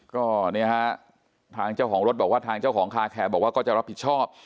ก็เนี่ยฮะทางเจ้าของรถบอกว่าทางเจ้าของคาแคร์บอกว่าก็จะรับผิดชอบ